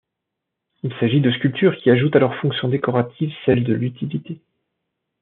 Il s’agit de sculptures qui ajoutent à leur fonction décorative celle de l’utilité.